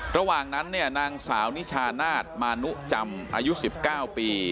ระหว่างนั้นเนี่ยนางสาวนิชานาศมานุจำอายุ๑๙ปี